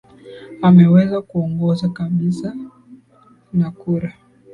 ameweza kuongoza kabisa na kura